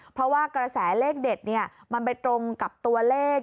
เพราะว่ากระแสเลขเด็ดมันไปตรงกับตัวเลข